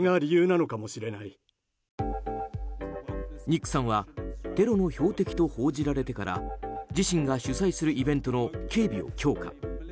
ニックさんはテロの標的と報じられてから自身が主催するイベントの警備を強化。